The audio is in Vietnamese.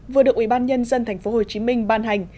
vừa được ủy ban nhân dân tp hcm ban hành